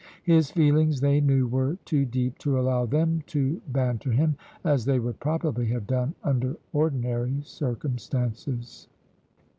His feelings, they knew, were too deep to allow them to banter him, as they would probably have done under ordinary circumstances.